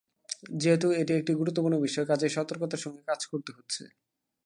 যেহেতু এটি একটি গুরুত্বপূর্ণ বিষয়, কাজেই সতর্কতার সঙ্গে কাজ করতে হচ্ছে।